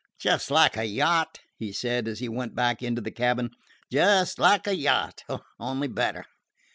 "Just like a yacht," he said as he went back into the cabin. "Just like a yacht, only better."